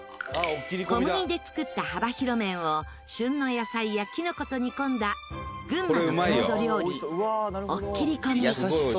小麦で作った幅広麺を旬の野菜やきのこと煮込んだ群馬の郷土料理おっきりこみ。